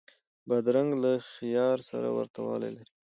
بادرنګ له خیار سره ورته والی لري.